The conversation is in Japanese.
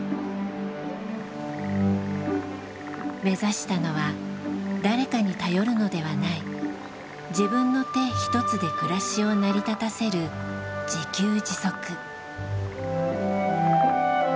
目指したのは誰かに頼るのではない自分の手ひとつで暮らしを成り立たせる自給自足。